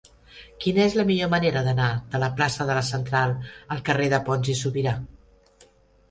Quina és la millor manera d'anar de la plaça de la Central al carrer de Pons i Subirà?